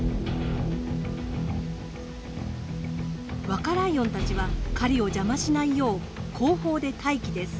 若ライオンたちは狩りを邪魔しないよう後方で待機です。